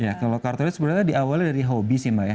ya kalau kartellit sebenarnya diawalnya dari hobi sih mbak ya